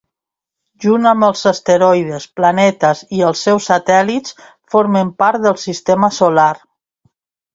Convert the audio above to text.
Junt amb els asteroides, planetes i els seus satèl·lits, formen part del Sistema Solar.